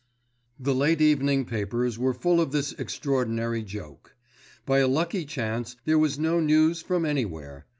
The late evening papers were full of this extraordinary "joke." By a lucky chance, there was no news from anywhere.